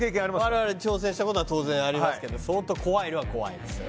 我々挑戦したことはありますけど相当怖いのは怖いですよね